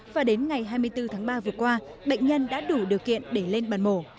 và đến ngày hai mươi bốn tháng ba vừa qua bệnh nhân đã đủ điều kiện để lên bàn mổ